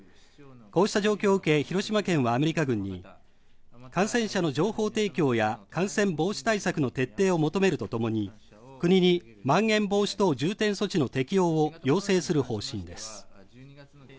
こうした状況を受け広島県はアメリカ軍に感染者の情報提供や感染防止対策の徹底を求めるとともに国にまん延防止等重点措置の適用を要請する方針です